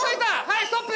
はい。